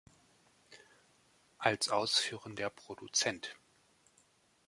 Als ausführender Produzent